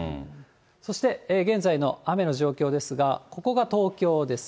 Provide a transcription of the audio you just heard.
そして現在の雨の状況ですが、ここが東京です。